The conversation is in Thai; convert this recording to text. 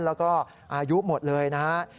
แล้วก็อายุหมดเลยนะฮะ